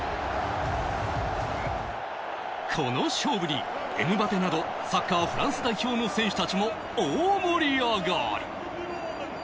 この勝負にエムバペなどサッカーフランス代表の選手たちも大盛り上がり！